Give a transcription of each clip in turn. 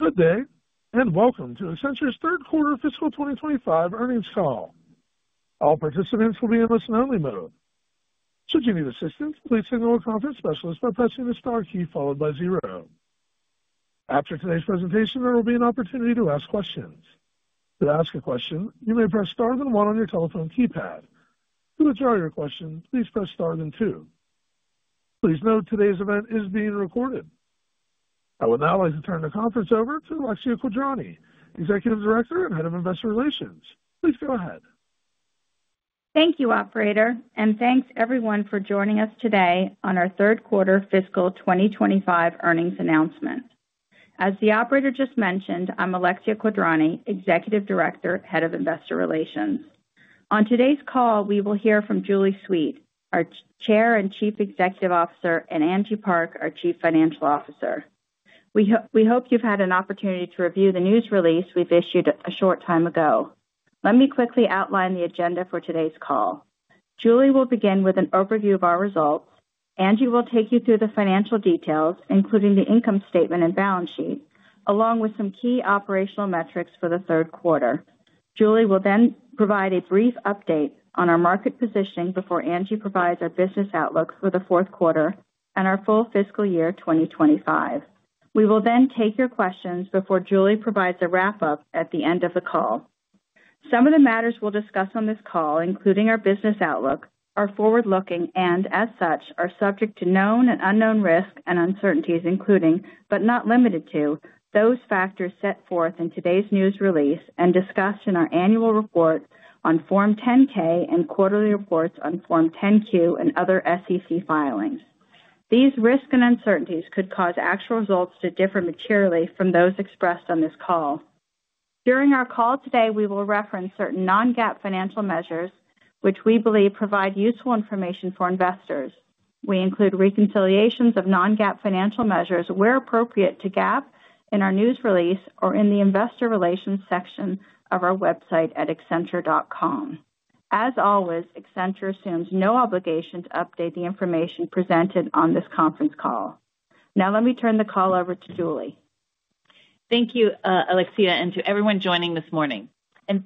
Good day, and welcome to Accenture's Third Quarter Fiscal 2025 Earnings call. All participants will be in listen-only mode. Should you need assistance, please signal a conference specialist by pressing the star key followed by zero. After today's presentation, there will be an opportunity to ask questions. To ask a question, you may press star then one on your telephone keypad. To withdraw your question, please press star then two. Please note today's event is being recorded. I would now like to turn the conference over to Alexia Quadrani, Executive Director and Head of Investor Relations. Please go ahead. Thank you, Operator, and thanks everyone for joining us today on our Third Quarter Fiscal 2025 Earnings Announcement. As the Operator just mentioned, I'm Alexia Quadrani, Executive Director, Head of Investor Relations. On today's call, we will hear from Julie Sweet, our Chair and Chief Executive Officer, and Angie Park, our Chief Financial Officer. We hope you've had an opportunity to review the news release we've issued a short time ago. Let me quickly outline the agenda for today's call. Julie will begin with an overview of our results. Angie will take you through the financial details, including the income statement and balance sheet, along with some key operational metrics for the third quarter. Julie will then provide a brief update on our market positioning before Angie provides our business outlook for the fourth quarter and our full fiscal year 2025. We will then take your questions before Julie provides a wrap-up at the end of the call. Some of the matters we'll discuss on this call, including our business outlook, are forward-looking and, as such, are subject to known and unknown risk and uncertainties, including, but not limited to, those factors set forth in today's news release and discussed in our annual report on Form 10-K and quarterly reports on Form 10-Q and other SEC filings. These risks and uncertainties could cause actual results to differ materially from those expressed on this call. During our call today, we will reference certain non-GAAP financial measures, which we believe provide useful information for investors. We include reconciliations of non-GAAP financial measures where appropriate to GAAP in our news release or in the investor relations section of our website @accenture.com. As always, Accenture assumes no obligation to update the information presented on this conference call. Now, let me turn the call over to Julie. Thank you, Alexia, and to everyone joining this morning.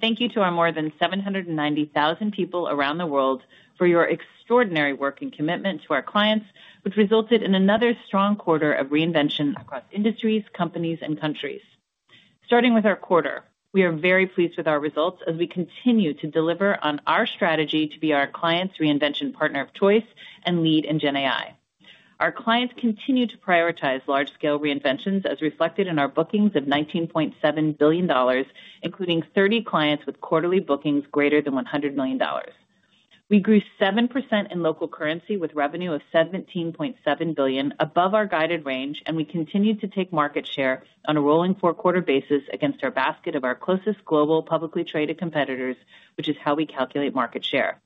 Thank you to our more than 790,000 people around the world for your extraordinary work and commitment to our clients, which resulted in another strong quarter of reinvention across industries, companies, and countries. Starting with our quarter, we are very pleased with our results as we continue to deliver on our strategy to be our clients' reinvention partner of choice and lead in GenAI. Our clients continue to prioritize large-scale reinventions, as reflected in our bookings of $19.7 billion, including 30 clients with quarterly bookings greater than $100 million. We grew 7% in local currency with revenue of $17.7 billion, above our guided range, and we continue to take market share on a rolling four-quarter basis against our basket of our closest global publicly traded competitors, which is how we calculate market share.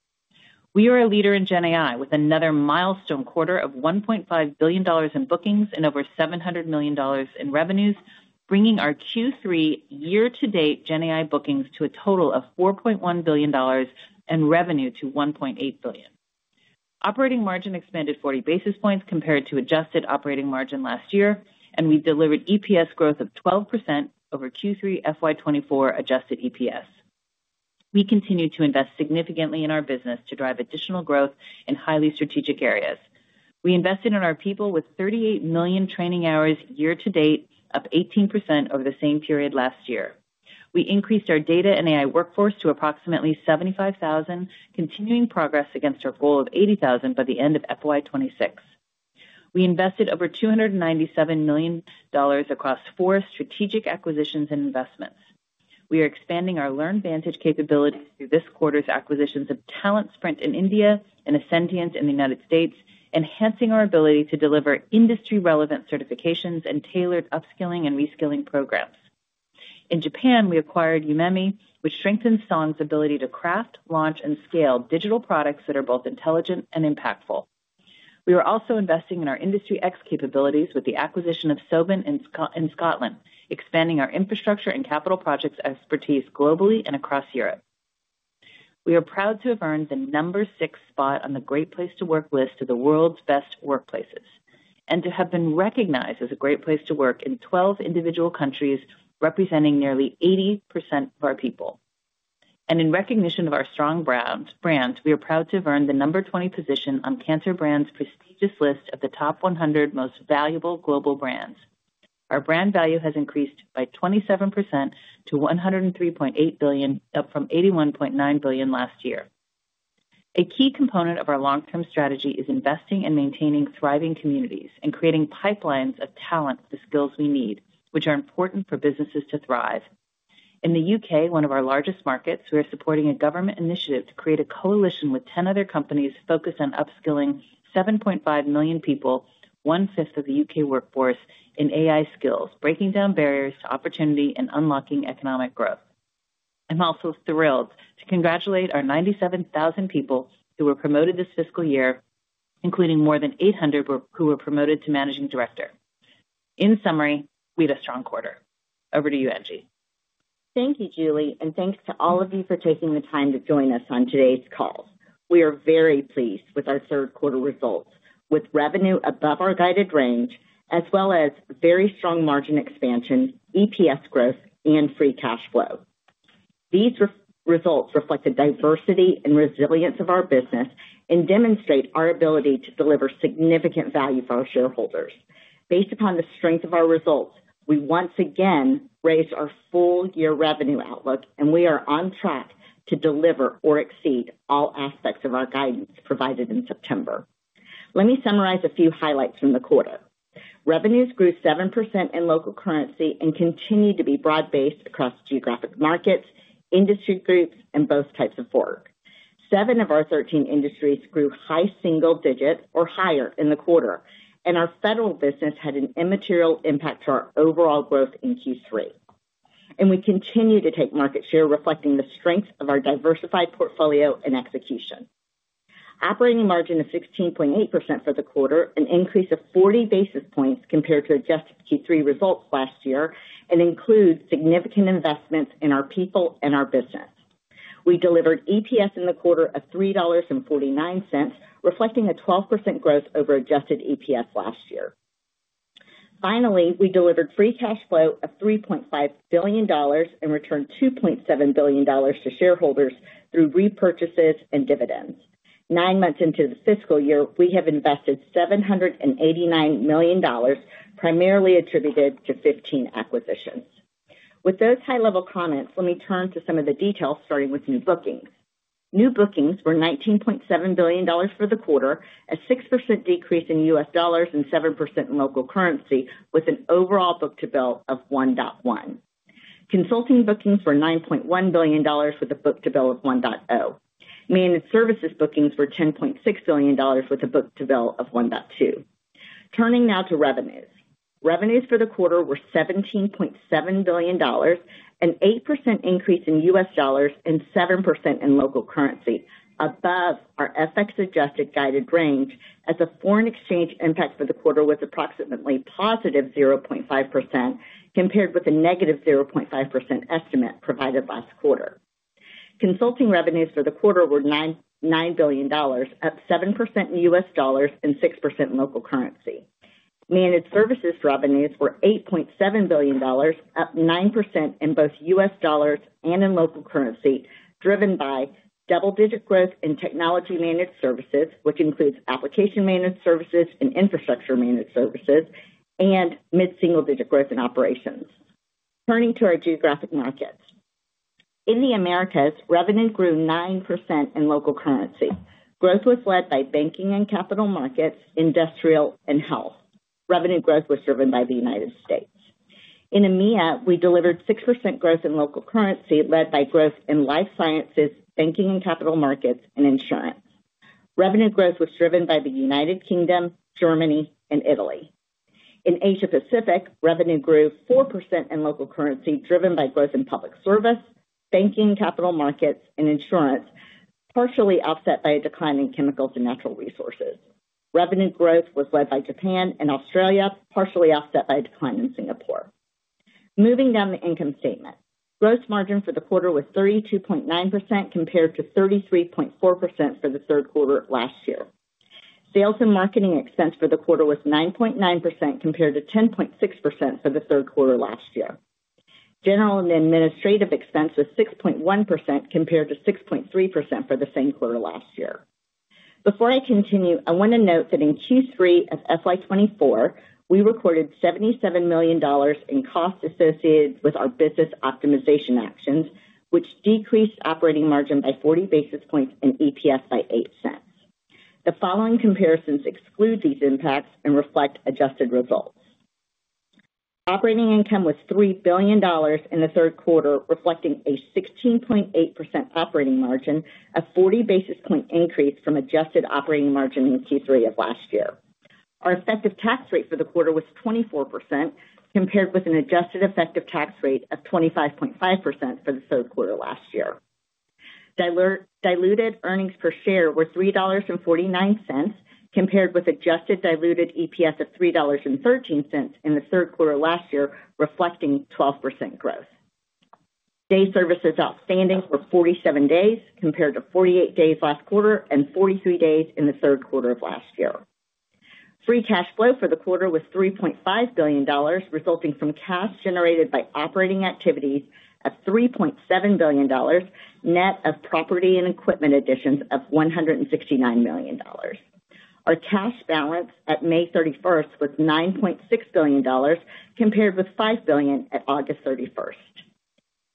We are a leader in GenAI with another milestone quarter of $1.5 billion in bookings and over $700 million in revenues, bringing our Q3 year-to-date GenAI bookings to a total of $4.1 billion and revenue to $1.8 billion. Operating margin expanded 40 basis points compared to adjusted operating margin last year, and we delivered EPS growth of 12% over Q3 FY2024 adjusted EPS. We continue to invest significantly in our business to drive additional growth in highly strategic areas. We invested in our people with 38 million training hours year-to-date, up 18% over the same period last year. We increased our data and AI workforce to approximately 75,000, continuing progress against our goal of 80,000 by the end of FY2026. We invested over $297 million across four strategic acquisitions and investments. We are expanding our LearnVantage capability through this quarter's acquisitions of TalentSprint in India and Ascendience in the United States, enhancing our ability to deliver industry-relevant certifications and tailored upskilling and reskilling programs. In Japan, we acquired Yumemi, which strengthens Song's ability to craft, launch, and scale digital products that are both intelligent and impactful. We are also investing in our Industry X capabilities with the acquisition of Soben in Scotland, expanding our infrastructure and capital projects expertise globally and across Europe. We are proud to have earned the number six spot on the Great Place to Work list of the world's best workplaces and to have been recognized as a Great Place to Work in 12 individual countries, representing nearly 80% of our people. In recognition of our strong brands, we are proud to have earned the number 20 position on Kantar BrandZ's prestigious list of the top 100 most valuable global brands. Our brand value has increased by 27% to $103.8 billion, up from $81.9 billion last year. A key component of our long-term strategy is investing in maintaining thriving communities and creating pipelines of talent for the skills we need, which are important for businesses to thrive. In the U.K., one of our largest markets, we are supporting a government initiative to create a coalition with 10 other companies focused on upskilling 7.5 million people, one-fifth of the U.K. workforce, in AI skills, breaking down barriers to opportunity and unlocking economic growth. I'm also thrilled to congratulate our 97,000 people who were promoted this fiscal year, including more than 800 who were promoted to Managing Director. In summary, we had a strong quarter. Over to you, Angie. Thank you, Julie, and thanks to all of you for taking the time to join us on today's call. We are very pleased with our third quarter results, with revenue above our guided range, as well as very strong margin expansion, EPS growth, and free cash flow. These results reflect the diversity and resilience of our business and demonstrate our ability to deliver significant value for our shareholders. Based upon the strength of our results, we once again raised our full-year revenue outlook, and we are on track to deliver or exceed all aspects of our guidance provided in September. Let me summarize a few highlights from the quarter. Revenues grew 7% in local currency and continue to be broad-based across geographic markets, industry groups, and both types of work. Seven of our 13 industries grew high single-digit or higher in the quarter, and our federal business had an immaterial impact to our overall growth in Q3. We continue to take market share, reflecting the strength of our diversified portfolio and execution. Operating margin of 16.8% for the quarter, an increase of 40 basis points compared to adjusted Q3 results last year, and includes significant investments in our people and our business. We delivered EPS in the quarter of $3.49, reflecting a 12% growth over adjusted EPS last year. Finally, we delivered free cash flow of $3.5 billion and returned $2.7 billion to shareholders through repurchases and dividends. Nine months into the fiscal year, we have invested $789 million, primarily attributed to 15 acquisitions. With those high-level comments, let me turn to some of the details, starting with new bookings. New bookings were $19.7 billion for the quarter, a 6% decrease in US dollars and 7% in local currency, with an overall book-to-bill of $1.1. Consulting bookings were $9.1 billion, with a book-to-bill of $1.0. Managed services bookings were $10.6 billion, with a book-to-bill of $1.2. Turning now to revenues. Revenues for the quarter were $17.7 billion, an 8% increase in US dollars and 7% in local currency, above our FX adjusted guided range, as the foreign exchange impact for the quarter was approximately positive 0.5% compared with a negative 0.5% estimate provided last quarter. Consulting revenues for the quarter were $9 billion, up 7% in US dollars and 6% in local currency. Managed services revenues were $8.7 billion, up 9% in both US dollars and in local currency, driven by double-digit growth in technology managed services, which includes application managed services and infrastructure managed services, and mid-single-digit growth in operations. Turning to our geographic markets. In the Americas, revenue grew 9% in local currency. Growth was led by banking and capital markets, industrial, and health. Revenue growth was driven by the United States. In EMEA, we delivered 6% growth in local currency, led by growth in life sciences, banking and capital markets, and insurance. Revenue growth was driven by the United Kingdom, Germany, and Italy. In Asia-Pacific, revenue grew 4% in local currency, driven by growth in public service, banking and capital markets, and insurance, partially offset by a decline in chemicals and natural resources. Revenue growth was led by Japan and Australia, partially offset by a decline in Singapore. Moving down the income statement, gross margin for the quarter was 32.9% compared to 33.4% for the third quarter last year. Sales and marketing expense for the quarter was 9.9% compared to 10.6% for the third quarter last year. General and administrative expense was 6.1% compared to 6.3% for the same quarter last year. Before I continue, I want to note that in Q3 of fiscal year 2024, we recorded $77 million in costs associated with our business optimization actions, which decreased operating margin by 40 basis points and EPS by $0.08. The following comparisons exclude these impacts and reflect adjusted results. Operating income was $3 billion in the third quarter, reflecting a 16.8% operating margin, a 40 basis point increase from adjusted operating margin in Q3 of last year. Our effective tax rate for the quarter was 24% compared with an adjusted effective tax rate of 25.5% for the third quarter last year. Diluted earnings per share were $3.49 compared with adjusted diluted EPS of $3.13 in the third quarter last year, reflecting 12% growth. Day services outstanding were 47 days compared to 48 days last quarter and 43 days in the third quarter of last year. Free cash flow for the quarter was $3.5 billion, resulting from cash generated by operating activities of $3.7 billion, net of property and equipment additions of $169 million. Our cash balance at May 31st was $9.6 billion compared with $5 billion at August 31st.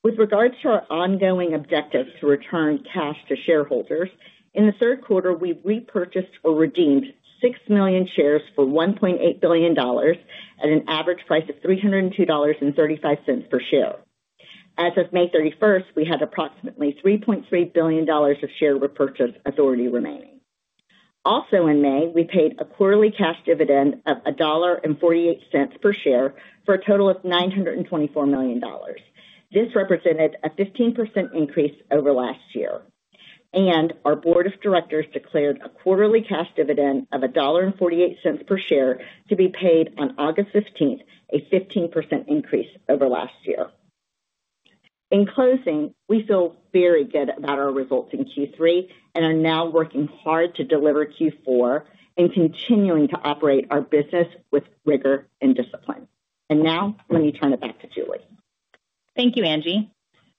With regards to our ongoing objective to return cash to shareholders, in the third quarter, we repurchased or redeemed 6 million shares for $1.8 billion at an average price of $302.35 per share. As of May 31, we had approximately $3.3 billion of share repurchase authority remaining. Also, in May, we paid a quarterly cash dividend of $1.48 per share for a total of $924 million. This represented a 15% increase over last year. Our board of directors declared a quarterly cash dividend of $1.48 per share to be paid on August 15, a 15% increase over last year. In closing, we feel very good about our results in Q3 and are now working hard to deliver Q4 and continuing to operate our business with rigor and discipline. Now, let me turn it back to Julie. Thank you, Angie.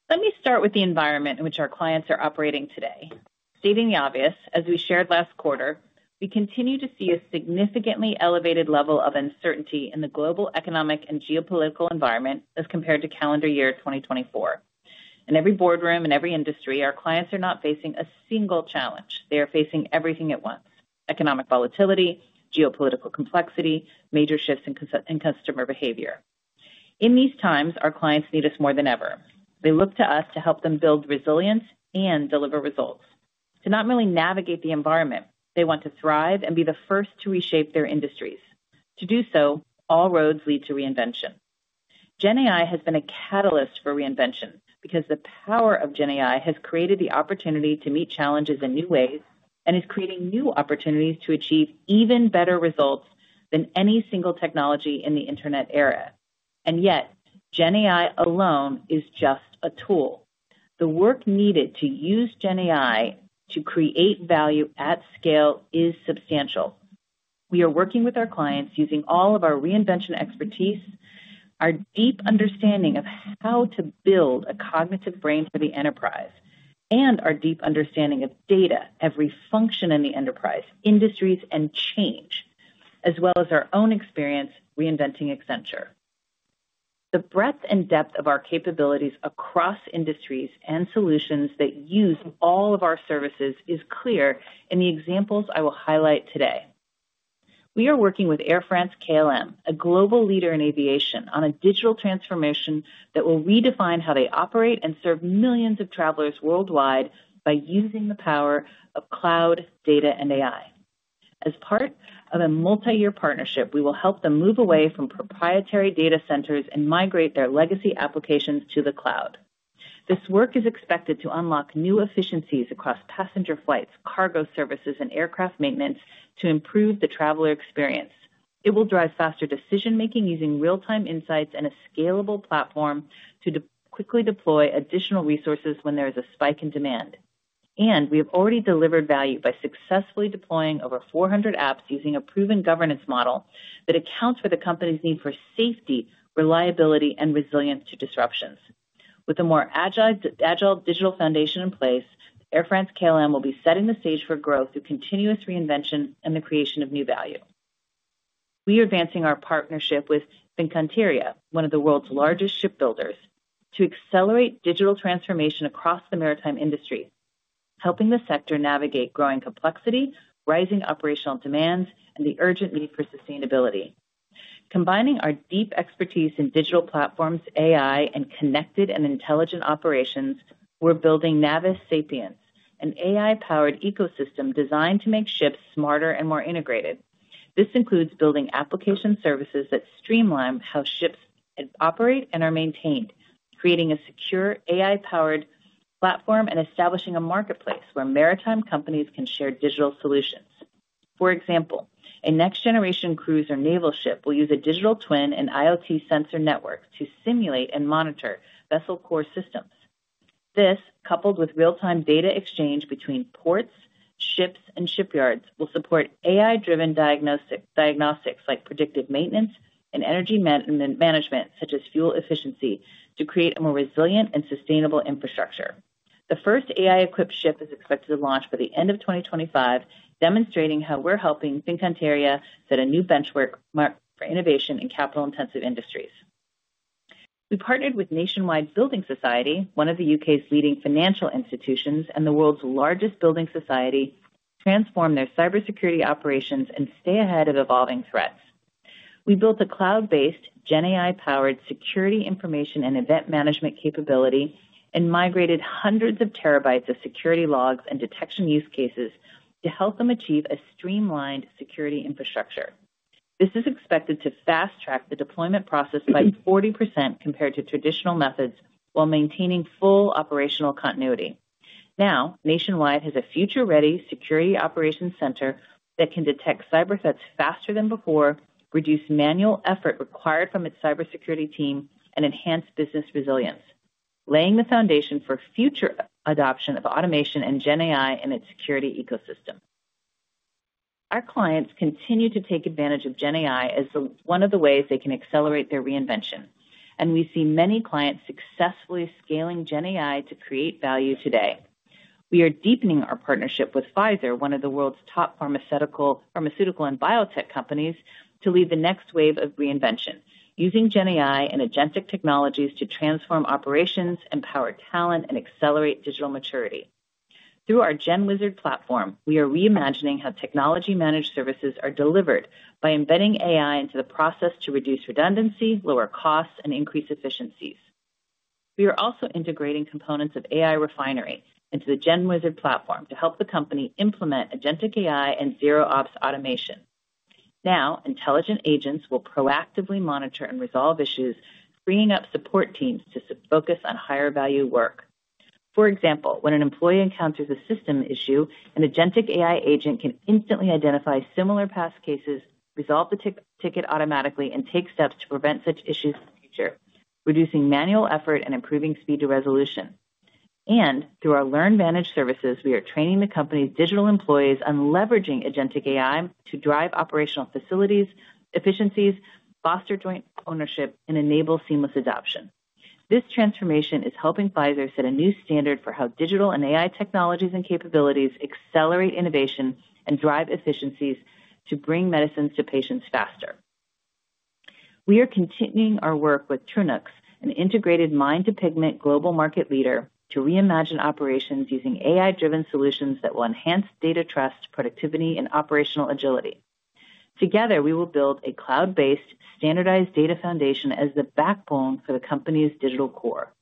Let me start with the environment in which our clients are operating today. Stating the obvious, as we shared last quarter, we continue to see a significantly elevated level of uncertainty in the global economic and geopolitical environment as compared to calendar year 2024. In every boardroom and every industry, our clients are not facing a single challenge. They are facing everything at once: economic volatility, geopolitical complexity, major shifts in customer behavior. In these times, our clients need us more than ever. They look to us to help them build resilience and deliver results. To not merely navigate the environment, they want to thrive and be the first to reshape their industries. To do so, all roads lead to reinvention. GenAI has been a catalyst for reinvention because the power of GenAI has created the opportunity to meet challenges in new ways and is creating new opportunities to achieve even better results than any single technology in the internet era. Yet, GenAI alone is just a tool. The work needed to use GenAI to create value at scale is substantial. We are working with our clients using all of our reinvention expertise, our deep understanding of how to build a cognitive brain for the enterprise, and our deep understanding of data, every function in the enterprise, industries, and change, as well as our own experience reinventing Accenture. The breadth and depth of our capabilities across industries and solutions that use all of our services is clear in the examples I will highlight today. We are working with Air France–KLM, a global leader in aviation, on a digital transformation that will redefine how they operate and serve millions of travelers worldwide by using the power of cloud, data, and AI. As part of a multi-year partnership, we will help them move away from proprietary data centers and migrate their legacy applications to the cloud. This work is expected to unlock new efficiencies across passenger flights, cargo services, and aircraft maintenance to improve the traveler experience. It will drive faster decision-making using real-time insights and a scalable platform to quickly deploy additional resources when there is a spike in demand. We have already delivered value by successfully deploying over 400 apps using a proven governance model that accounts for the company's need for safety, reliability, and resilience to disruptions. With a more agile digital foundation in place, Air France-KLM will be setting the stage for growth through continuous reinvention and the creation of new value. We are advancing our partnership with Fincantieri, one of the world's largest shipbuilders, to accelerate digital transformation across the maritime industry, helping the sector navigate growing complexity, rising operational demands, and the urgent need for sustainability. Combining our deep expertise in digital platforms, AI, and connected and intelligent operations, we're building Navis Sapiens, an AI-powered ecosystem designed to make ships smarter and more integrated. This includes building application services that streamline how ships operate and are maintained, creating a secure AI-powered platform and establishing a marketplace where maritime companies can share digital solutions. For example, a next-generation cruiser naval ship will use a digital twin and IoT sensor network to simulate and monitor vessel core systems. This, coupled with real-time data exchange between ports, ships, and shipyards, will support AI-driven diagnostics like predictive maintenance and energy management, such as fuel efficiency, to create a more resilient and sustainable infrastructure. The first AI-equipped ship is expected to launch by the end of 2025, demonstrating how we're helping Fincantieri set a new benchmark for innovation in capital-intensive industries. We partnered with Nationwide Building Society, one of the U.K.'s leading financial institutions and the world's largest building society, to transform their cybersecurity operations and stay ahead of evolving threats. We built a cloud-based, GenAI-powered security information and event management capability and migrated hundreds of terabytes of security logs and detection use cases to help them achieve a streamlined security infrastructure. This is expected to fast-track the deployment process by 40% compared to traditional methods while maintaining full operational continuity. Now, Nationwide has a future-ready security operations center that can detect cyber threats faster than before, reduce manual effort required from its cybersecurity team, and enhance business resilience, laying the foundation for future adoption of automation and GenAI in its security ecosystem. Our clients continue to take advantage of GenAI as one of the ways they can accelerate their reinvention, and we see many clients successfully scaling GenAI to create value today. We are deepening our partnership with Pfizer, one of the world's top pharmaceutical and biotech companies, to lead the next wave of reinvention, using GenAI and agentic technologies to transform operations, empower talent, and accelerate digital maturity. Through our GenWizard platform, we are reimagining how technology-managed services are delivered by embedding AI into the process to reduce redundancy, lower costs, and increase efficiencies. We are also integrating components of AI Refinery into the GenWizard platform to help the company implement agentic AI and zero-ops automation. Intelligent agents will proactively monitor and resolve issues, freeing up support teams to focus on higher-value work. For example, when an employee encounters a system issue, an agentic AI agent can instantly identify similar past cases, resolve the ticket automatically, and take steps to prevent such issues in the future, reducing manual effort and improving speed to resolution. Through our learned managed services, we are training the company's digital employees on leveraging agentic AI to drive operational efficiencies, foster joint ownership, and enable seamless adoption. This transformation is helping Pfizer set a new standard for how digital and AI technologies and capabilities accelerate innovation and drive efficiencies to bring medicines to patients faster. We are continuing our work with Tronox, an integrated mind-to-pigment global market leader, to reimagine operations using AI-driven solutions that will enhance data trust, productivity, and operational agility. Together, we will build a cloud-based, standardized data foundation as the backbone for the company's digital core.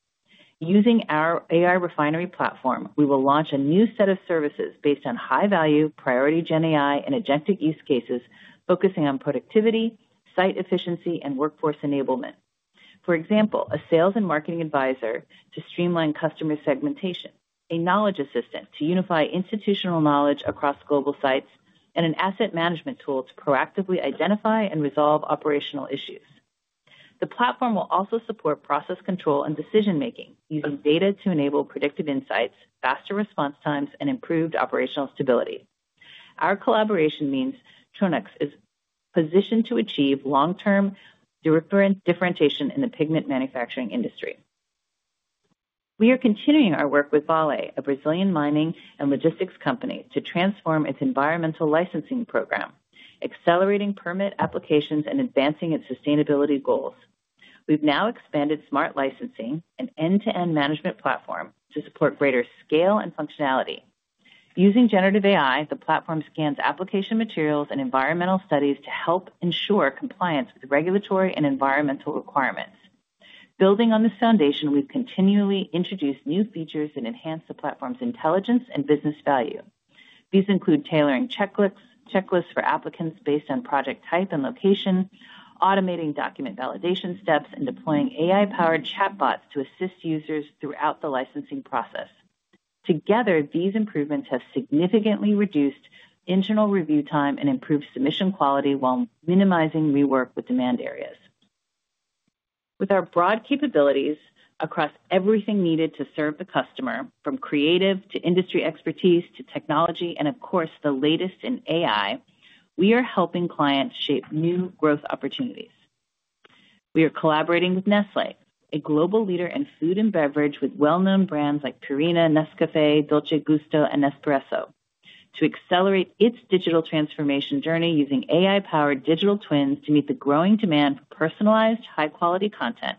Using our AI Refinery platform, we will launch a new set of services based on high-value, priority GenAI and agentic use cases, focusing on productivity, site efficiency, and workforce enablement. For example, a sales and marketing advisor to streamline customer segmentation, a knowledge assistant to unify institutional knowledge across global sites, and an asset management tool to proactively identify and resolve operational issues. The platform will also support process control and decision-making using data to enable predictive insights, faster response times, and improved operational stability. Our collaboration means Tronox is positioned to achieve long-term differentiation in the pigment manufacturing industry. We are continuing our work with Vale, a Brazilian mining and logistics company, to transform its environmental licensing program, accelerating permit applications and advancing its sustainability goals. We have now expanded smart licensing, an end-to-end management platform to support greater scale and functionality. Using generative AI, the platform scans application materials and environmental studies to help ensure compliance with regulatory and environmental requirements. Building on this foundation, we have continually introduced new features that enhance the platform's intelligence and business value. These include tailoring checklists for applicants based on project type and location, automating document validation steps, and deploying AI-powered chatbots to assist users throughout the licensing process. Together, these improvements have significantly reduced internal review time and improved submission quality while minimizing rework with demand areas. With our broad capabilities across everything needed to serve the customer, from creative to industry expertise to technology, and of course, the latest in AI, we are helping clients shape new growth opportunities. We are collaborating with Nestlé, a global leader in food and beverage with well-known brands like Purina, Nescafé, Dolce Gusto, and Nespresso, to accelerate its digital transformation journey using AI-powered digital twins to meet the growing demand for personalized, high-quality content.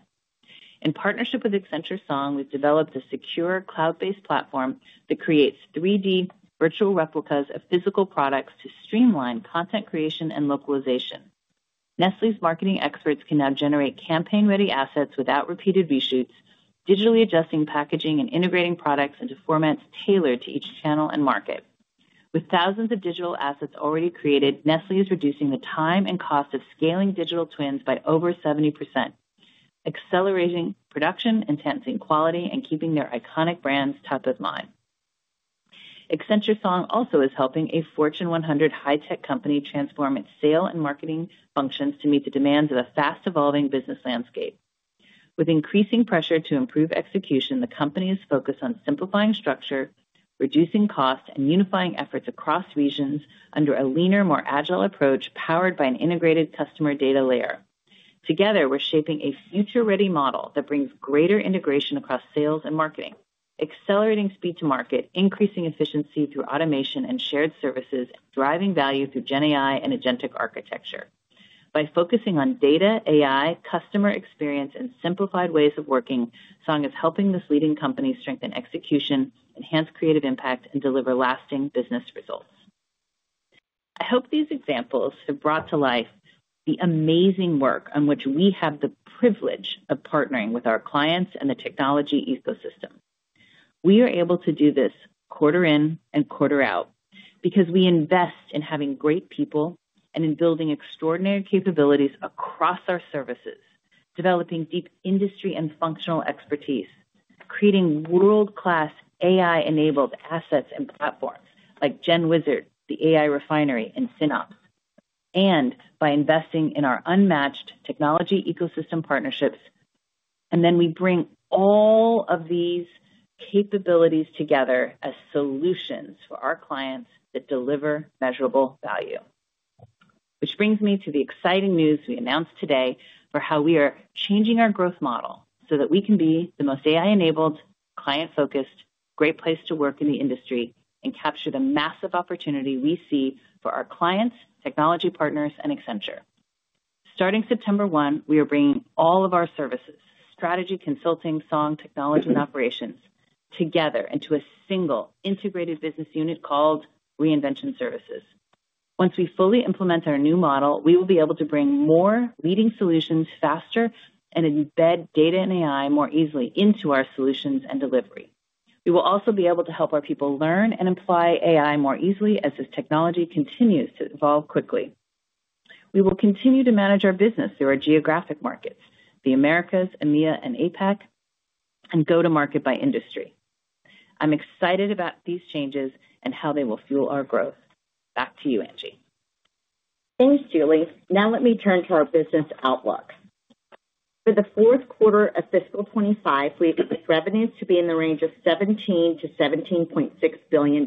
In partnership with Accenture Song, we've developed a secure cloud-based platform that creates 3D virtual replicas of physical products to streamline content creation and localization. Nestlé's marketing experts can now generate campaign-ready assets without repeated reshoots, digitally adjusting packaging and integrating products into formats tailored to each channel and market. With thousands of digital assets already created, Nestlé is reducing the time and cost of scaling digital twins by over 70%, accelerating production, enhancing quality, and keeping their iconic brands top of mind. Accenture Song also is helping a Fortune 100 high-tech company transform its sale and marketing functions to meet the demands of a fast-evolving business landscape. With increasing pressure to improve execution, the company is focused on simplifying structure, reducing costs, and unifying efforts across regions under a leaner, more agile approach powered by an integrated customer data layer. Together, we are shaping a future-ready model that brings greater integration across sales and marketing, accelerating speed to market, increasing efficiency through automation and shared services, and driving value through GenAI and agentic architecture. By focusing on data, AI, customer experience, and simplified ways of working, Song is helping this leading company strengthen execution, enhance creative impact, and deliver lasting business results. I hope these examples have brought to life the amazing work on which we have the privilege of partnering with our clients and the technology ecosystem. We are able to do this quarter in and quarter out because we invest in having great people and in building extraordinary capabilities across our services, developing deep industry and functional expertise, creating world-class AI-enabled assets and platforms like GenWizard, the AI Refinery, and SynOps, and by investing in our unmatched technology ecosystem partnerships. We bring all of these capabilities together as solutions for our clients that deliver measurable value, which brings me to the exciting news we announced today for how we are changing our growth model so that we can be the most AI-enabled, client-focused, great place to work in the industry and capture the massive opportunity we see for our clients, technology partners, and Accenture. Starting September 1, we are bringing all of our services, strategy, consulting, song, technology, and operations together into a single integrated business unit called Reinvention Services. Once we fully implement our new model, we will be able to bring more leading solutions faster and embed data and AI more easily into our solutions and delivery. We will also be able to help our people learn and apply AI more easily as this technology continues to evolve quickly. We will continue to manage our business through our geographic markets, the Americas, EMEA, and APAC, and go to market by industry. I'm excited about these changes and how they will fuel our growth. Back to you, Angie. Thanks, Julie. Now let me turn to our business outlook. For the fourth quarter of fiscal 2025, we expect revenues to be in the range of $17 billion-$17.6 billion.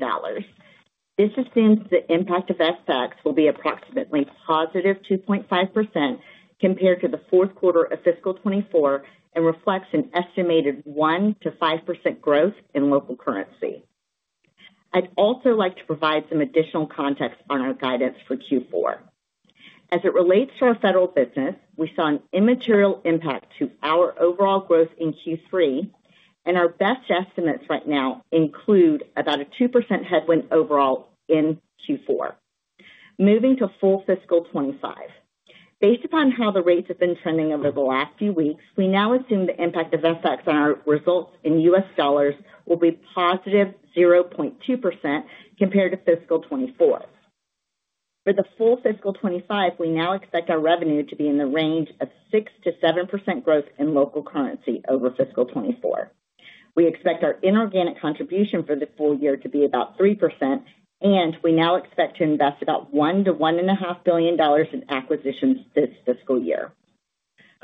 This assumes the impact of FX will be approximately positive 2.5% compared to the fourth quarter of fiscal 2024 and reflects an estimated 1% to 5% growth in local currency. I'd also like to provide some additional context on our guidance for Q4. As it relates to our federal business, we saw an immaterial impact to our overall growth in Q3, and our best estimates right now include about a 2% headwind overall in Q4. Moving to full fiscal 2025. Based upon how the rates have been trending over the last few weeks, we now assume the impact of FX on our results in US dollars will be positive 0.2% compared to fiscal 2024. For the full fiscal 2025, we now expect our revenue to be in the range of 6% to 7% growth in local currency over fiscal 2024. We expect our inorganic contribution for the full year to be about 3%, and we now expect to invest about $1 billion to $1.5 billion in acquisitions this fiscal year.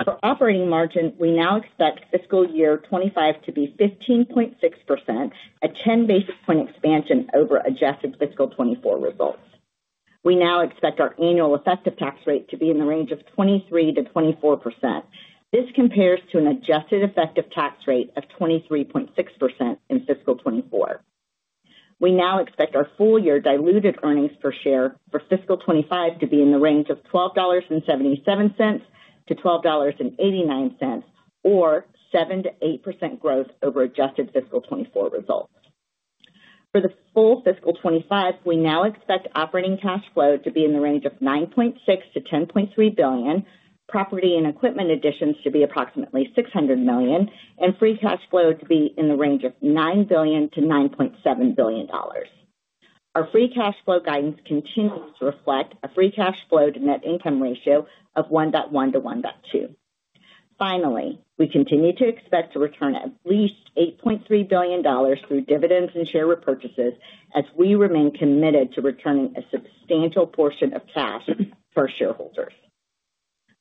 For operating margin, we now expect fiscal year 2025 to be 15.6%, a 10 basis point expansion over adjusted fiscal 2024 results. We now expect our annual effective tax rate to be in the range of 23 to 24%. This compares to an adjusted effective tax rate of 23.6% in fiscal 2024. We now expect our full year diluted earnings per share for fiscal 2025 to be in the range of $12.77 to $12.89, or 7% to 8% growth over adjusted fiscal 2024 results. For the full fiscal 2025, we now expect operating cash flow to be in the range of $9.6 billion to $10.3 billion, property and equipment additions to be approximately $600 million, and free cash flow to be in the range of $9 billion to $9.7 billion. Our free cash flow guidance continues to reflect a free cash flow to net income ratio of 1.1 to 1.2. Finally, we continue to expect to return at least $8.3 billion through dividends and share repurchases as we remain committed to returning a substantial portion of cash for shareholders.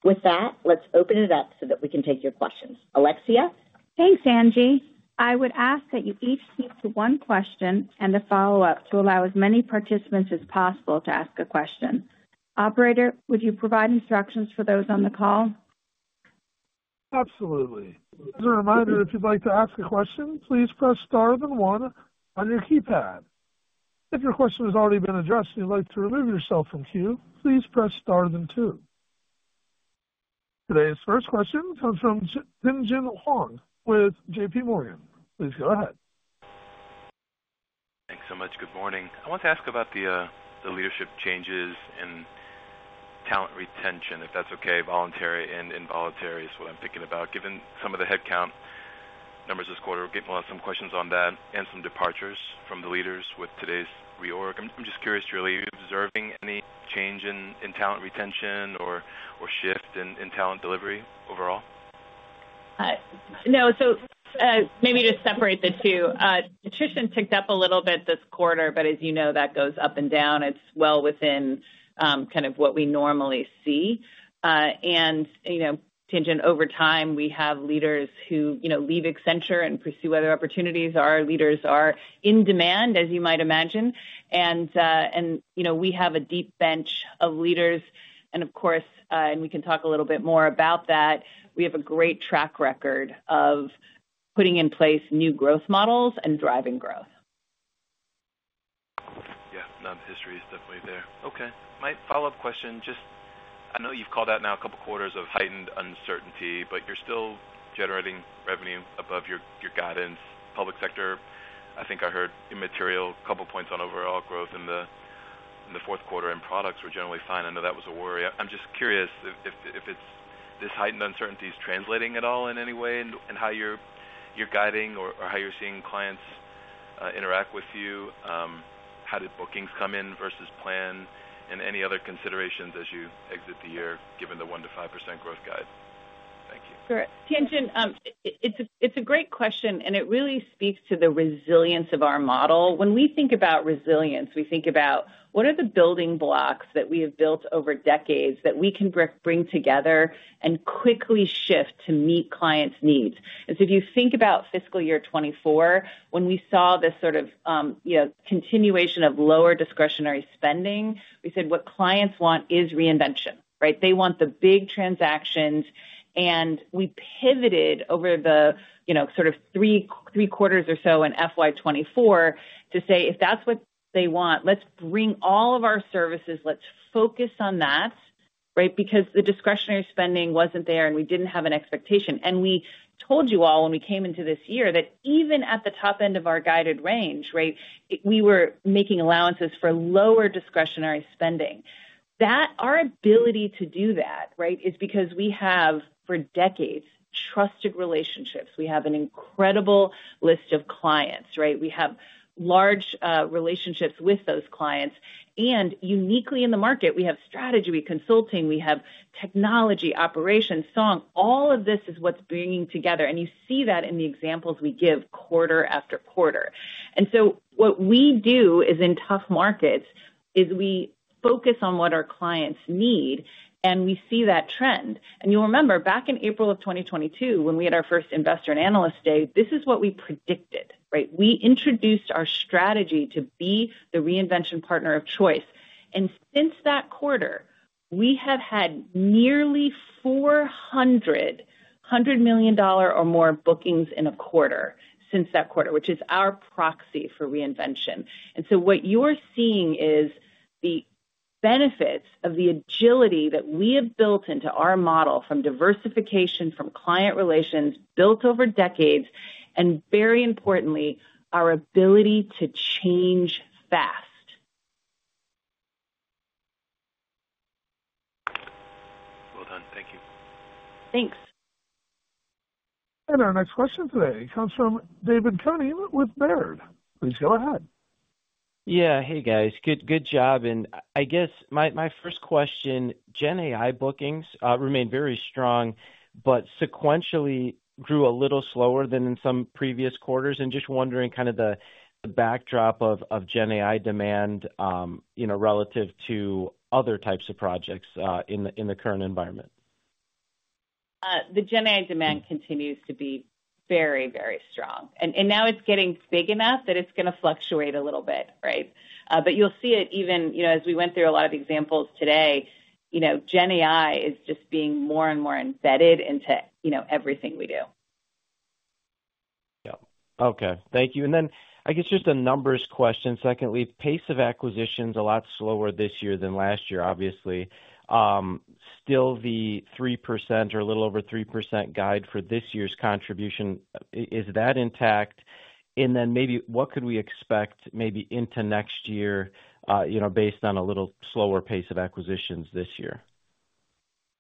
With that, let's open it up so that we can take your questions. Alexia. Thanks, Angie. I would ask that you each keep to one question and the follow-up to allow as many participants as possible to ask a question. Operator, would you provide instructions for those on the call? Absolutely. As a reminder, if you'd like to ask a question, please press star then one on your keypad. If your question has already been addressed and you'd like to remove yourself from queue, please press star then two. Today's first question comes from Tien-Tsin Huang with JPMorgan. Please go ahead. Thanks so much. Good morning. I want to ask about the leadership changes and talent retention, if that's okay, voluntary and involuntary is what I'm thinking about. Given some of the headcount numbers this quarter, we'll get more some questions on that and some departures from the leaders with today's reorg. I'm just curious, Julie, are you observing any change in talent retention or shift in talent delivery overall? No, maybe to separate the two. Attrition ticked up a little bit this quarter, but as you know, that goes up and down. It's well within kind of what we normally see. And Tien-Tsin, over time, we have leaders who leave Accenture and pursue other opportunities. Our leaders are in demand, as you might imagine. We have a deep bench of leaders. Of course, we can talk a little bit more about that. We have a great track record of putting in place new growth models and driving growth. Yeah, our history is definitely there. Okay. My follow-up question, just I know you've called out now a couple quarters of heightened uncertainty, but you're still generating revenue above your guidance. Public sector, I think I heard immaterial couple points on overall growth in the fourth quarter and products were generally fine. I know that was a worry. I'm just curious if this heightened uncertainty is translating at all in any way in how you're guiding or how you're seeing clients interact with you. How did bookings come in versus plan and any other considerations as you exit the year given the 1% to 5% growth guide? Thank you. Tien-Tsin, it's a great question, and it really speaks to the resilience of our model. When we think about resilience, we think about what are the building blocks that we have built over decades that we can bring together and quickly shift to meet clients' needs. If you think about fiscal year 2024, when we saw this sort of continuation of lower discretionary spending, we said what clients want is reinvention, right? They want the big transactions. We pivoted over the sort of three quarters or so in fiscal year 2024 to say, if that's what they want, let's bring all of our services, let's focus on that, right? Because the discretionary spending wasn't there and we didn't have an expectation. We told you all when we came into this year that even at the top end of our guided range, right, we were making allowances for lower discretionary spending. Our ability to do that, right, is because we have for decades trusted relationships. We have an incredible list of clients, right? We have large relationships with those clients. Uniquely in the market, we have strategy, we consulting, we have technology, operations, song. All of this is what is bringing together. You see that in the examples we give quarter after quarter. What we do in tough markets is we focus on what our clients need, and we see that trend. You will remember back in April of 2022 when we had our first investor and analyst day, this is what we predicted, right? We introduced our strategy to be the reinvention partner of choice. Since that quarter, we have had nearly $400 million or more bookings in a quarter since that quarter, which is our proxy for reinvention. What you are seeing is the benefits of the agility that we have built into our model from diversification, from client relations built over decades, and very importantly, our ability to change fast. Well done. Thank you. Thanks. Our next question today comes from Dave Koning with Baird. Please go ahead. Yeah, hey guys. Good job. I guess my first question, GenAI bookings remain very strong, but sequentially grew a little slower than in some previous quarters. Just wondering kind of the backdrop of GenAI demand relative to other types of projects in the current environment. The GenAI demand continues to be very, very strong. Now it's getting big enough that it's going to fluctuate a little bit, right? You'll see it even as we went through a lot of examples today, GenAI is just being more and more embedded into everything we do. Yep. Okay. Thank you. I guess just a numbers question. Secondly, pace of acquisitions a lot slower this year than last year, obviously. Still the 3% or a little over 3% guide for this year's contribution. Is that intact? And then maybe what could we expect maybe into next year based on a little slower pace of acquisitions this year?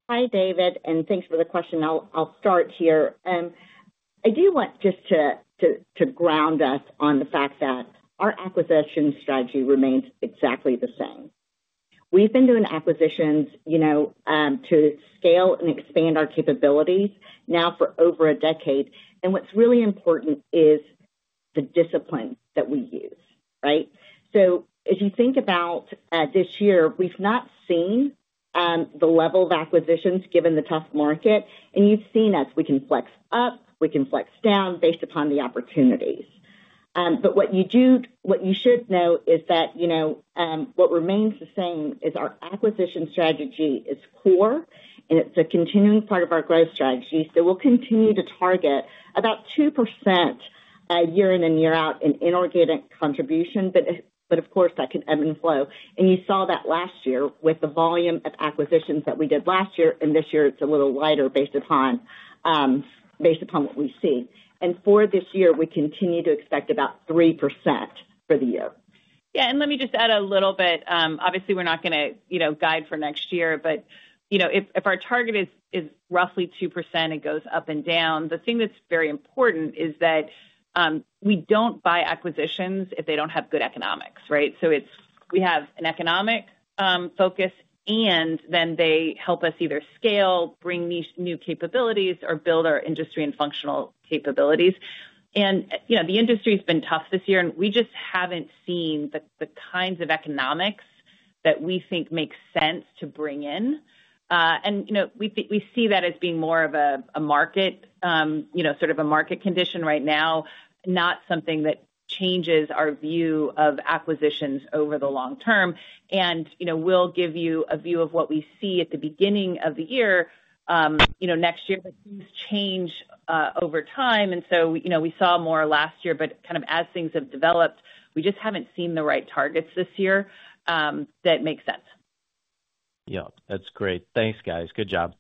Hi, David. And thanks for the question. I'll start here. I do want just to ground us on the fact that our acquisition strategy remains exactly the same. We've been doing acquisitions to scale and expand our capabilities now for over a decade. What's really important is the discipline that we use, right? As you think about this year, we've not seen the level of acquisitions given the tough market. You've seen us. We can flex up. We can flex down based upon the opportunities. What you should know is that what remains the same is our acquisition strategy is core, and it's a continuing part of our growth strategy. We'll continue to target about 2% year in and year out in inorganic contribution, but of course, that can ebb and flow. You saw that last year with the volume of acquisitions that we did last year. This year, it's a little lighter based upon what we see. For this year, we continue to expect about 3% for the year. Yeah. Let me just add a little bit. Obviously, we're not going to guide for next year, but if our target is roughly 2%, it goes up and down. The thing that's very important is that we don't buy acquisitions if they don't have good economics, right? We have an economic focus, and then they help us either scale, bring new capabilities, or build our industry and functional capabilities. The industry has been tough this year, and we just haven't seen the kinds of economics that we think make sense to bring in. We see that as being more of a market, sort of a market condition right now, not something that changes our view of acquisitions over the long term. We'll give you a view of what we see at the beginning of the year. Next year, things change over time. We saw more last year, but kind of as things have developed, we just haven't seen the right targets this year that make sense. Yep. That's great. Thanks, guys. Good job.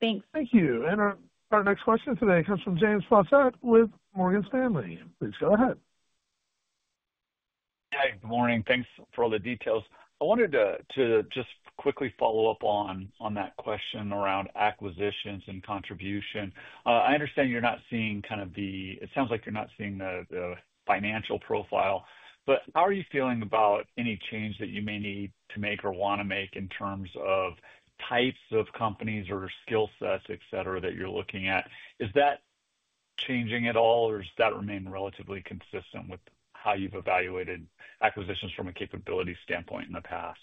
Thanks. Thank you. Our next question today comes from James Faucette with Morgan Stanley. Please go ahead. Hey, good morning. Thanks for all the details. I wanted to just quickly follow up on that question around acquisitions and contribution. I understand you're not seeing kind of the, it sounds like you're not seeing the financial profile, but how are you feeling about any change that you may need to make or want to make in terms of types of companies or skill sets, etc., that you're looking at? Is that changing at all, or does that remain relatively consistent with how you've evaluated acquisitions from a capability standpoint in the past?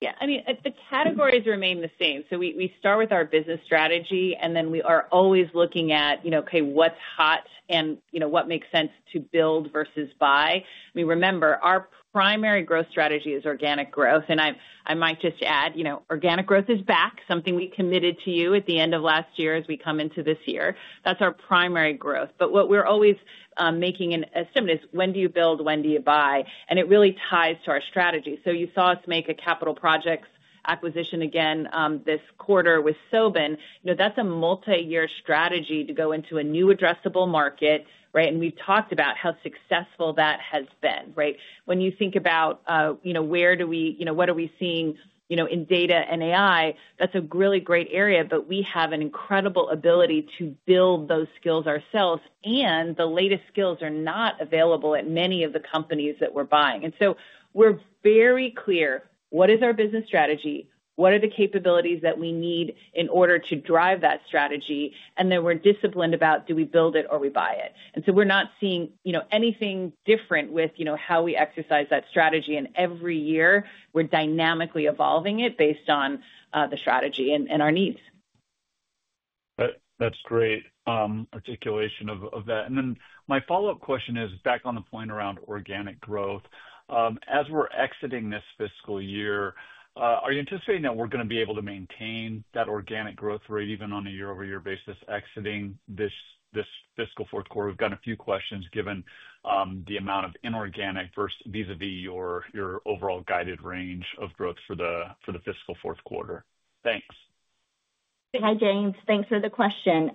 Yeah. I mean, the categories remain the same. We start with our business strategy, and then we are always looking at, okay, what's hot and what makes sense to build versus buy. I mean, remember, our primary growth strategy is organic growth. I might just add, organic growth is back, something we committed to you at the end of last year as we come into this year. That's our primary growth. What we're always making an estimate is when do you build, when do you buy? It really ties to our strategy. You saw us make a capital projects acquisition again this quarter with Soben. That is a multi-year strategy to go into a new addressable market, right? We have talked about how successful that has been, right? When you think about where do we, what are we seeing in data and AI, that is a really great area, but we have an incredible ability to build those skills ourselves. The latest skills are not available at many of the companies that we are buying. We are very clear what is our business strategy, what are the capabilities that we need in order to drive that strategy, and then we are disciplined about do we build it or we buy it. We're not seeing anything different with how we exercise that strategy. Every year, we're dynamically evolving it based on the strategy and our needs. That's great articulation of that. My follow-up question is back on the point around organic growth. As we're exiting this fiscal year, are you anticipating that we're going to be able to maintain that organic growth rate even on a year-over-year basis exiting this fiscal fourth quarter? We've got a few questions given the amount of inorganic versus vis a vis your overall guided range of growth for the fiscal fourth quarter. Thanks. Hi, James. Thanks for the question.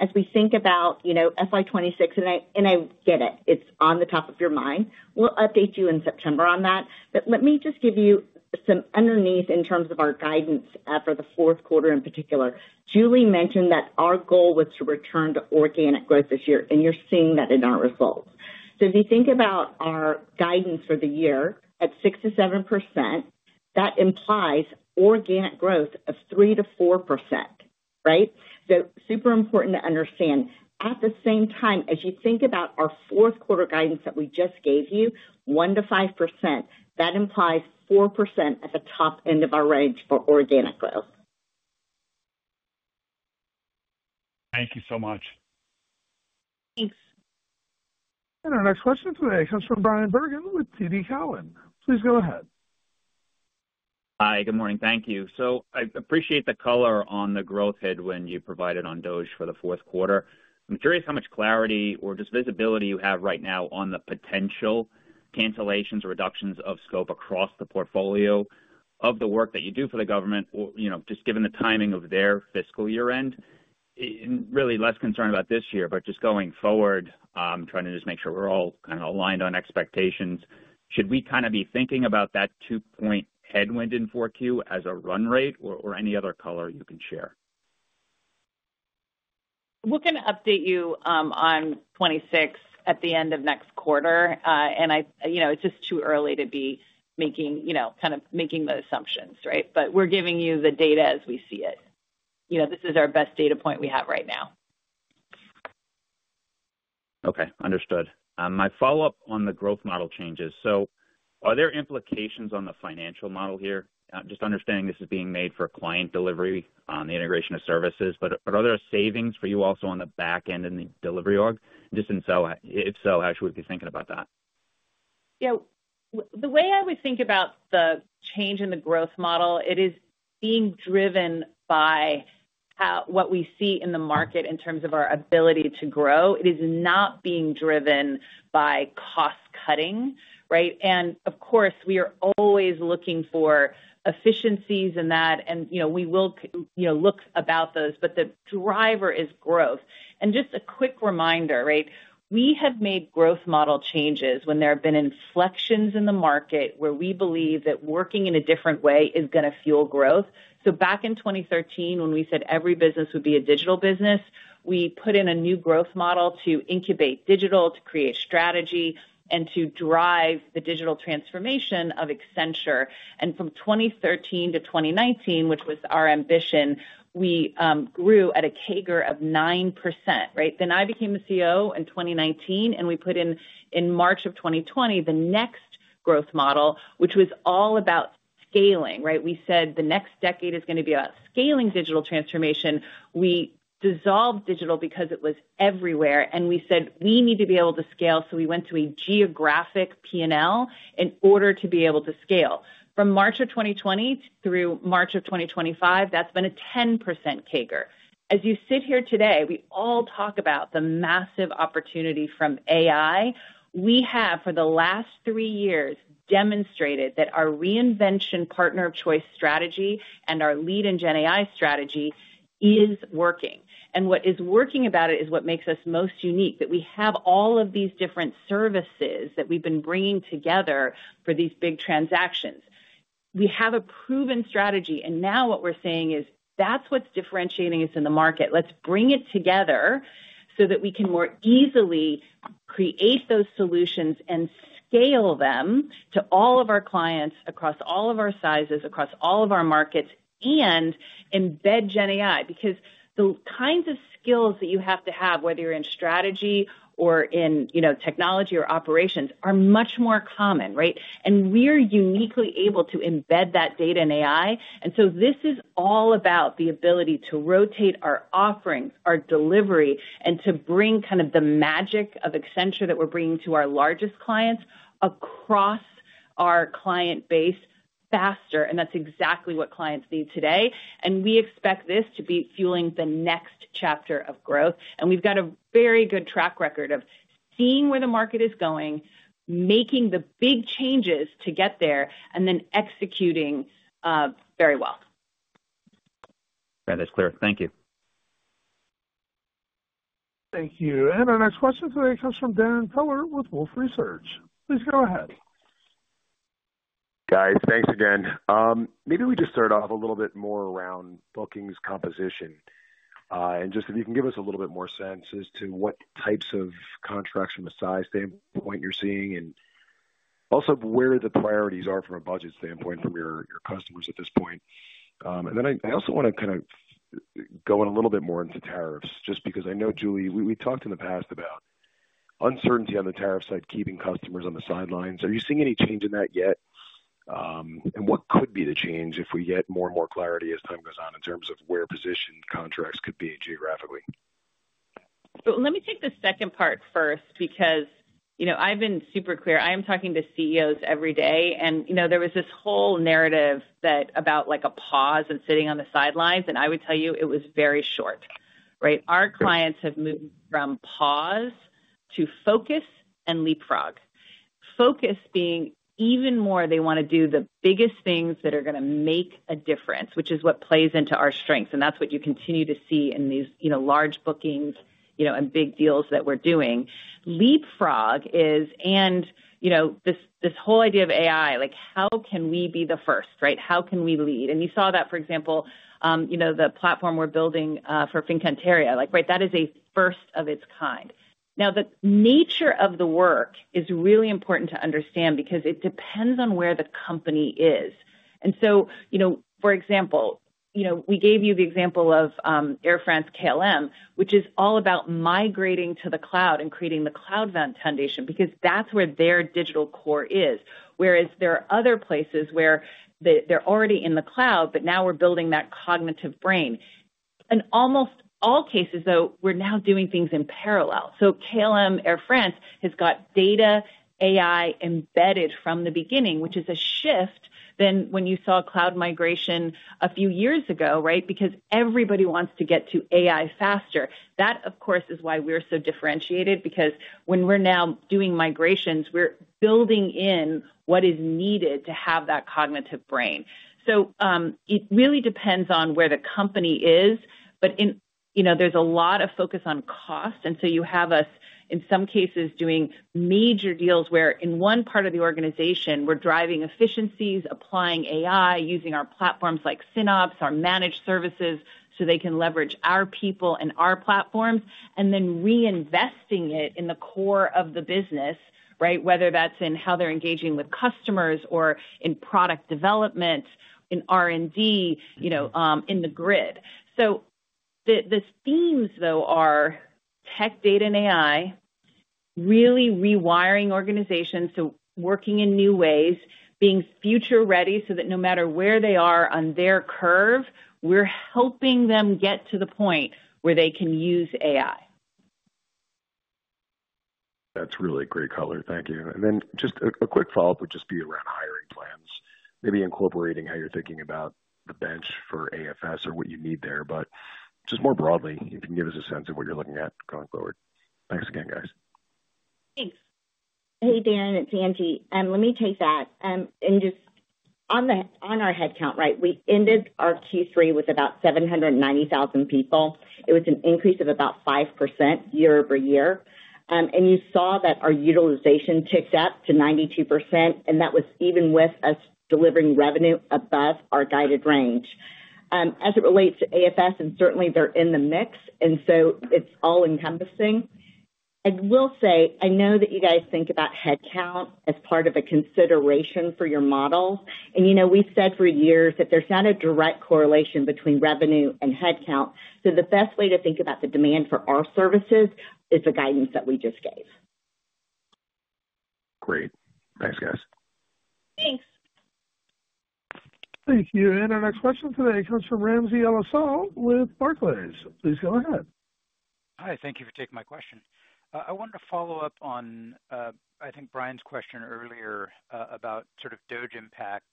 As we think about FY2026, and I get it, it's on the top of your mind, we'll update you in September on that. Let me just give you some underneath in terms of our guidance for the fourth quarter in particular. Julie mentioned that our goal was to return to organic growth this year, and you're seeing that in our results. If you think about our guidance for the year at 6% to 7%, that implies organic growth of 3% to 4%, right? Super important to understand. At the same time, as you think about our fourth quarter guidance that we just gave you, 1% to 5%, that implies 4% at the top end of our range for organic growth. Thank you so much. Thanks. Our next question today comes from Brian Bergin with TD Cowen. Please go ahead. Hi, good morning. Thank you. I appreciate the color on the growth headwind you provided on DOGE for the fourth quarter. I'm curious how much clarity or just visibility you have right now on the potential cancellations or reductions of scope across the portfolio of the work that you do for the government, just given the timing of their fiscal year-end. Really less concerned about this year, but just going forward, trying to just make sure we're all kind of aligned on expectations. Should we kind of be thinking about that two-point headwind in Q4 as a run rate or any other color you can share? We're going to update you on 26 at the end of next quarter. It's just too early to be kind of making the assumptions, right? We're giving you the data as we see it. This is our best data point we have right now. Okay. Understood. My follow-up on the growth model changes. Are there implications on the financial model here? Just understanding this is being made for client delivery on the integration of services, but are there savings for you also on the back end in the delivery org? If so, how should we be thinking about that? Yeah. The way I would think about the change in the growth model, it is being driven by what we see in the market in terms of our ability to grow. It is not being driven by cost cutting, right? Of course, we are always looking for efficiencies in that. We will look about those, but the driver is growth. Just a quick reminder, right? We have made growth model changes when there have been inflections in the market where we believe that working in a different way is going to fuel growth. Back in 2013, when we said every business would be a digital business, we put in a new growth model to incubate digital, to create strategy, and to drive the digital transformation of Accenture. From 2013 to 2019, which was our ambition, we grew at a CAGR of 9%, right? I became the CEO in 2019, and we put in March of 2020 the next growth model, which was all about scaling, right? We said the next decade is going to be about scaling digital transformation. We dissolved digital because it was everywhere. We said we need to be able to scale. We went to a geographic P&L in order to be able to scale. From March of 2020 through March of 2025, that's been a 10% CAGR. As you sit here today, we all talk about the massive opportunity from AI. We have, for the last three years, demonstrated that our reinvention partner of choice strategy and our lead in GenAI strategy is working. What is working about it is what makes us most unique, that we have all of these different services that we've been bringing together for these big transactions. We have a proven strategy. Now what we're saying is that's what's differentiating us in the market. Let's bring it together so that we can more easily create those solutions and scale them to all of our clients across all of our sizes, across all of our markets, and embed GenAI because the kinds of skills that you have to have, whether you're in strategy or in technology or operations, are much more common, right? We're uniquely able to embed that data in AI. This is all about the ability to rotate our offerings, our delivery, and to bring kind of the magic of Accenture that we're bringing to our largest clients across our client base faster. That's exactly what clients need today. We expect this to be fueling the next chapter of growth. We've got a very good track record of seeing where the market is going, making the big changes to get there, and then executing very well. That is clear. Thank you. Thank you. Our next question today comes from Darrin Peller with Wolf Research. Please go ahead. Guys, thanks again. Maybe we just start off a little bit more around bookings composition. If you can give us a little bit more sense as to what types of contracts from a size standpoint you're seeing and also where the priorities are from a budget standpoint from your customers at this point. I also want to kind of go in a little bit more into tariffs just because I know, Julie, we talked in the past about uncertainty on the tariff side, keeping customers on the sidelines. Are you seeing any change in that yet? What could be the change if we get more and more clarity as time goes on in terms of where positioned contracts could be geographically? Let me take the second part first because I've been super clear. I am talking to CEOs every day. There was this whole narrative about a pause and sitting on the sidelines. I would tell you it was very short, right? Our clients have moved from pause to focus and leapfrog. Focus being even more they want to do the biggest things that are going to make a difference, which is what plays into our strengths. That is what you continue to see in these large bookings and big deals that we are doing. Leapfrog is, and this whole idea of AI, how can we be the first, right? How can we lead? You saw that, for example, the platform we are building for Fincantieri, right? That is a first of its kind. Now, the nature of the work is really important to understand because it depends on where the company is. For example, we gave you the example of Air France-KLM, which is all about migrating to the cloud and creating the Cloud Foundation because that is where their digital core is. Whereas there are other places where they are already in the cloud, but now we are building that cognitive brain. In almost all cases, though, we are now doing things in parallel. Air France-KLM has got data AI embedded from the beginning, which is a shift than when you saw cloud migration a few years ago, right? Because everybody wants to get to AI faster. That, of course, is why we are so differentiated because when we are now doing migrations, we are building in what is needed to have that cognitive brain. It really depends on where the company is. There is a lot of focus on cost. You have us, in some cases, doing major deals where in one part of the organization, we're driving efficiencies, applying AI, using our platforms like Synops, our Managed Services so they can leverage our people and our platforms, and then reinvesting it in the core of the business, right? Whether that's in how they're engaging with customers or in product development, in R&D, in the grid. The themes, though, are tech data and AI, really rewiring organizations to working in new ways, being future-ready so that no matter where they are on their curve, we're helping them get to the point where they can use AI. That's really great color. Thank you. A quick follow-up would just be around hiring plans, maybe incorporating how you're thinking about the bench for AFS or what you need there. Just more broadly, if you can give us a sense of what you're looking at going forward. Thanks again, guys. Thanks. Hey, Darrin, it's Angie. Let me take that. Just on our headcount, right, we ended our Q3 with about 790,000 people. It was an increase of about 5% year over year. You saw that our utilization ticked up to 92%. That was even with us delivering revenue above our guided range. As it relates to AFS, certainly they're in the mix. It's all encompassing. I will say, I know that you guys think about headcount as part of a consideration for your models. We've said for years that there's not a direct correlation between revenue and headcount. The best way to think about the demand for our services is the guidance that we just gave. Great. Thanks, guys. Thanks. Thank you. Our next question today comes from Ramsey El-Assal with Barclays. Please go ahead. Hi. Thank you for taking my question. I wanted to follow up on, I think, Brian's question earlier about sort of DOGE impact.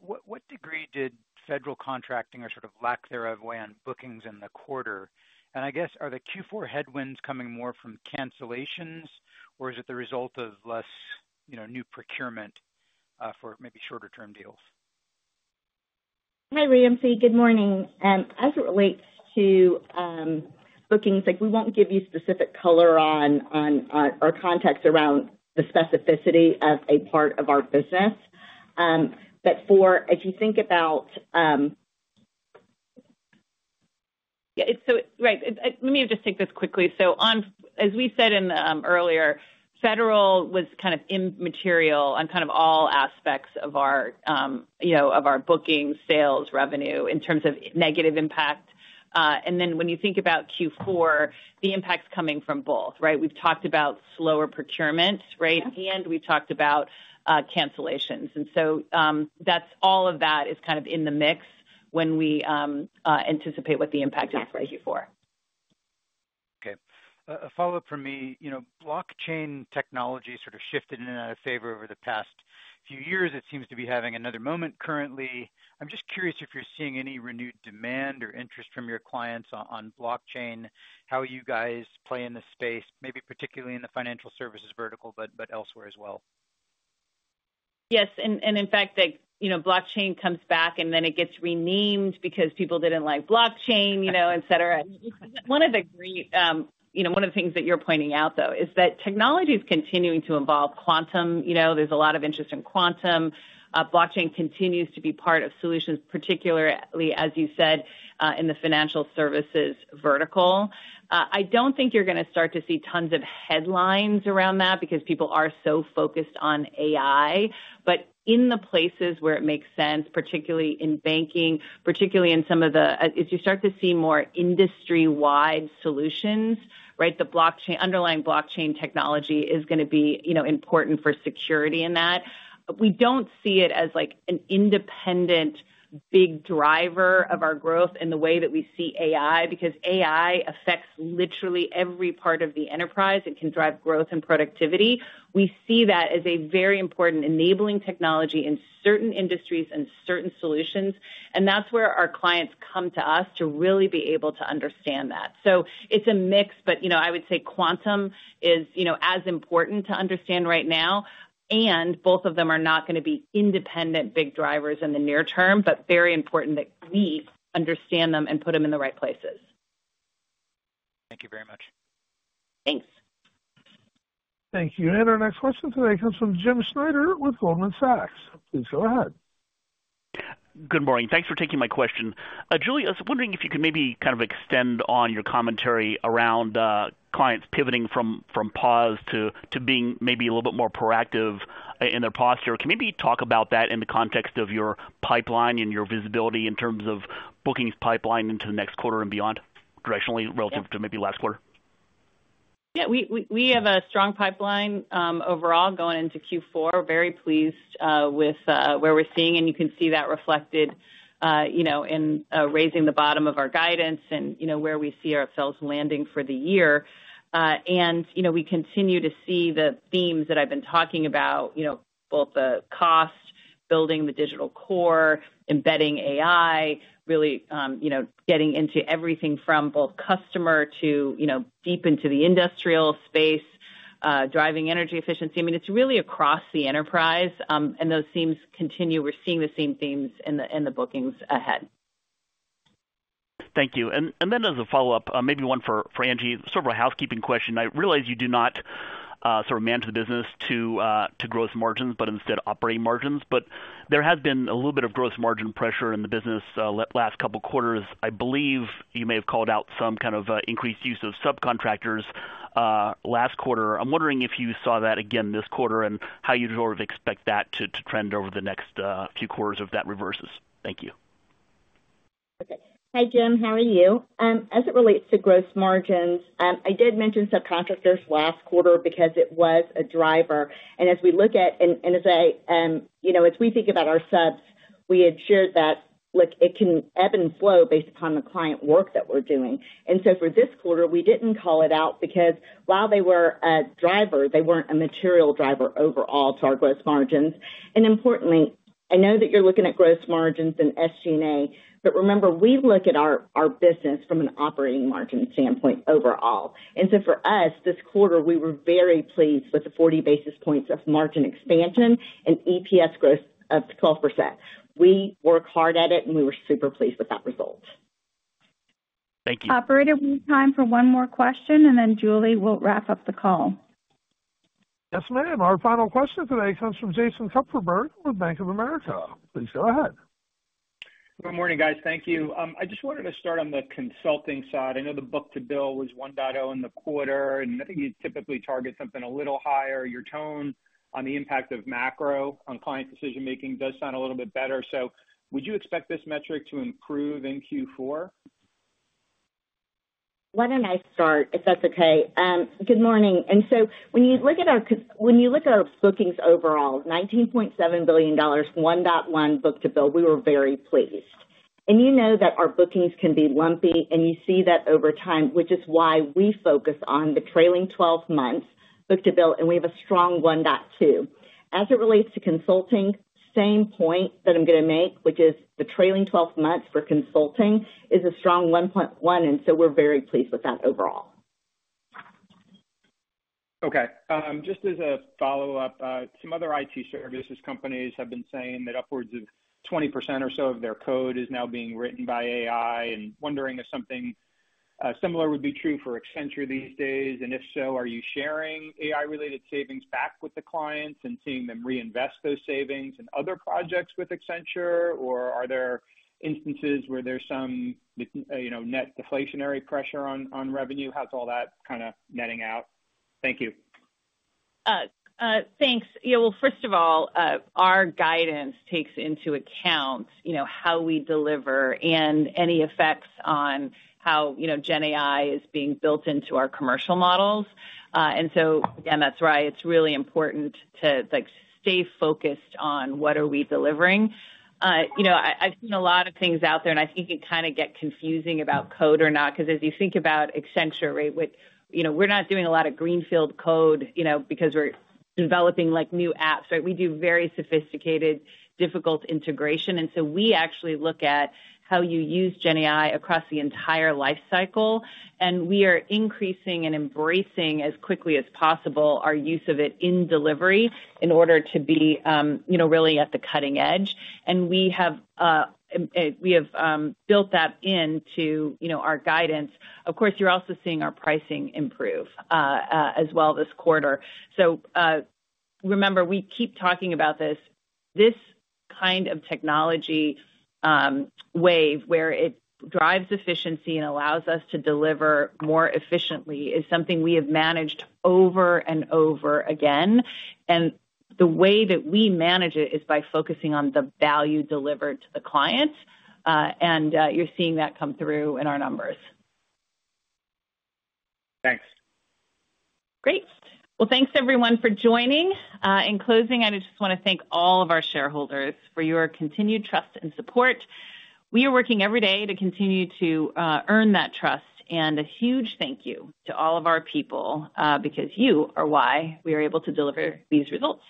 What degree did federal contracting or sort of lack thereof weigh on bookings in the quarter? I guess, are the Q4 headwinds coming more from cancellations, or is it the result of less new procurement for maybe shorter-term deals? Hi, Ramsey. Good morning. As it relates to bookings, we will not give you specific color on our context around the specificity of a part of our business. If you think about. Yeah, right. Let me just take this quickly. As we said earlier, federal was kind of immaterial on all aspects of our bookings, sales, revenue in terms of negative impact. When you think about Q4, the impact is coming from both, right? We've talked about slower procurement, right? And we've talked about cancellations. All of that is kind of in the mix when we anticipate what the impact is for Q4. Okay. A follow-up from me. Blockchain technology sort of shifted in and out of favor over the past few years. It seems to be having another moment currently. I'm just curious if you're seeing any renewed demand or interest from your clients on blockchain, how you guys play in this space, maybe particularly in the financial services vertical, but elsewhere as well. Yes. In fact, blockchain comes back, and then it gets renamed because people didn't like blockchain, etc. One of the things that you're pointing out, though, is that technology is continuing to evolve quantum. There's a lot of interest in quantum. Blockchain continues to be part of solutions, particularly, as you said, in the financial services vertical. I don't think you're going to start to see tons of headlines around that because people are so focused on AI. In the places where it makes sense, particularly in banking, particularly in some of the—if you start to see more industry-wide solutions, right, the underlying blockchain technology is going to be important for security in that. We don't see it as an independent big driver of our growth in the way that we see AI because AI affects literally every part of the enterprise and can drive growth and productivity. We see that as a very important enabling technology in certain industries and certain solutions. That's where our clients come to us to really be able to understand that. It is a mix, but I would say quantum is as important to understand right now. Both of them are not going to be independent big drivers in the near term, but it is very important that we understand them and put them in the right places. Thank you very much. Thanks. Thank you. Our next question today comes from Jim Schneider with Goldman Sachs. Please go ahead. Good morning. Thanks for taking my question. Julie, I was wondering if you could maybe kind of extend on your commentary around clients pivoting from pause to being maybe a little bit more proactive in their posture. Can you maybe talk about that in the context of your pipeline and your visibility in terms of bookings pipeline into the next quarter and beyond, directionally relative to maybe last quarter? Yeah. We have a strong pipeline overall going into Q4. Very pleased with where we're seeing. You can see that reflected in raising the bottom of our guidance and where we see ourselves landing for the year. We continue to see the themes that I've been talking about, both the cost, building the digital core, embedding AI, really getting into everything from both customer to deep into the industrial space, driving energy efficiency. I mean, it's really across the enterprise. Those themes continue. We're seeing the same themes in the bookings ahead. Thank you. As a follow-up, maybe one for Angie, sort of a housekeeping question. I realize you do not sort of manage the business to gross margins, but instead operating margins. There has been a little bit of gross margin pressure in the business last couple of quarters. I believe you may have called out some kind of increased use of subcontractors last quarter. I'm wondering if you saw that again this quarter and how you sort of expect that to trend over the next few quarters if that reverses. Thank you. Okay. Hi, Jim. How are you? As it relates to gross margins, I did mention subcontractors last quarter because it was a driver. As we look at—and as we think about our subs, we had shared that it can ebb and flow based upon the client work that we're doing. For this quarter, we didn't call it out because while they were a driver, they weren't a material driver overall to our gross margins. Importantly, I know that you're looking at gross margins and SG&A, but remember, we look at our business from an operating margin standpoint overall. For us, this quarter, we were very pleased with the 40 basis points of margin expansion and EPS growth of 12%. We worked hard at it, and we were super pleased with that result. Thank you. Operator, we have time for one more question, and then Julie will wrap up the call. Yes, ma'am. Our final question today comes from Jason Kupferberg with Bank of America. Please go ahead. Good morning, guys. Thank you. I just wanted to start on the consulting side. I know the book to bill was 1.0 in the quarter, and I think you typically target something a little higher. Your tone on the impact of macro on client decision-making does sound a little bit better. Would you expect this metric to improve in Q4? Why don't I start, if that's okay? Good morning. When you look at our bookings overall, $19.7 billion, 1.1 book to bill, we were very pleased. You know that our bookings can be lumpy, and you see that over time, which is why we focus on the trailing 12 months book to bill, and we have a strong 1.2. As it relates to consulting, same point that I'm going to make, which is the trailing 12 months for consulting is a strong 1.1. We are very pleased with that overall. Okay. Just as a follow-up, some other IT services companies have been saying that upwards of 20% or so of their code is now being written by AI and wondering if something similar would be true for Accenture these days. If so, are you sharing AI-related savings back with the clients and seeing them reinvest those savings in other projects with Accenture? Are there instances where there's some net deflationary pressure on revenue? How's all that kind of netting out? Thank you. Thanks. Yeah. First of all, our guidance takes into account how we deliver and any effects on how GenAI is being built into our commercial models. Again, that's why it's really important to stay focused on what are we delivering. I've seen a lot of things out there, and I think it can kind of get confusing about code or not because as you think about Accenture, right, we're not doing a lot of greenfield code because we're developing new apps, right? We do very sophisticated, difficult integration. We actually look at how you use GenAI across the entire lifecycle. We are increasing and embracing as quickly as possible our use of it in delivery in order to be really at the cutting edge. We have built that into our guidance. Of course, you are also seeing our pricing improve as well this quarter. Remember, we keep talking about this. This kind of technology wave where it drives efficiency and allows us to deliver more efficiently is something we have managed over and over again. The way that we manage it is by focusing on the value delivered to the client. You are seeing that come through in our numbers. Thanks. Great. Thank you, everyone, for joining. In closing, I just want to thank all of our shareholders for your continued trust and support. We are working every day to continue to earn that trust. A huge thank you to all of our people because you are why we are able to deliver these results.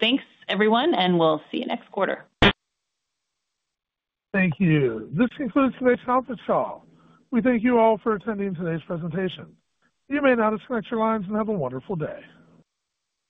Thanks, everyone, and we will see you next quarter. Thank you. This concludes today's conference call. We thank you all for attending today's presentation. You may now disconnect your lines and have a wonderful day.